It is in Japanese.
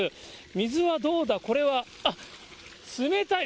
水はどうだ、これは、あっ、冷たい！